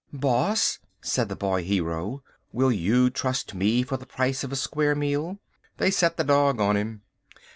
"Boss," said the boy hero, "will you trust me for the price of a square meal?" They set the dog on him.